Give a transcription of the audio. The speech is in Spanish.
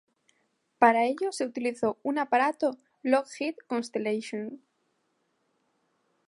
Para ello se utilizó un aparato Lockheed Constellation.